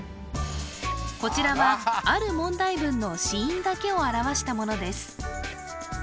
こちらはある問題文の子音だけを表したものです